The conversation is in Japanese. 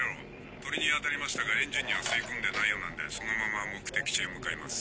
鳥に当たりましたがエンジンには吸い込んでないようなんでそのまま目的地へ向かいます。